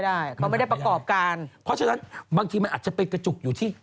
ไม่ได้เขาไม่ได้ประกอบการเพราะฉะนั้นบางทีมันอาจจะไปกระจุกอยู่ที่